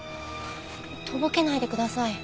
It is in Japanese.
とぼけないでください。